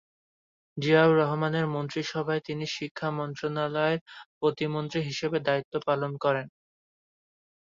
জিয়াউর রহমানের মন্ত্রিসভায় তিনি শিক্ষা মন্ত্রণালয়ের প্রতিমন্ত্রী হিসেবে দায়িত্ব পালন করেন।।